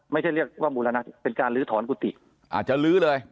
ไม่ใช่เรียกว่าบูรณะเป็นการลื้อถอนกุฏิอ่าจะลื้อเลย